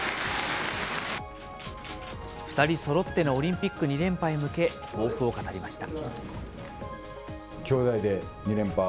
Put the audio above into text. ２人そろってのオリンピック２連覇へ向け、抱負を語りました。